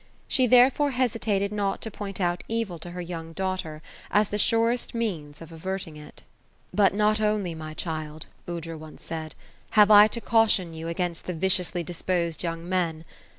She therefore hesitated not to point out evil to her young daughter, as the surest means of averting it. 258 OPHELIA ;" Bat not only, mj child," Aoadra pnce said, ^' have I to caation yoa against the viciously disposed among men.